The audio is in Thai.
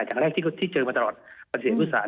อย่างแรกที่เจอมาตลอดปฏิเสธผู้โดยสาร